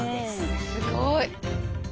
すごい！